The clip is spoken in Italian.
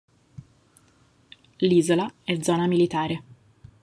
L'isola è zona militare.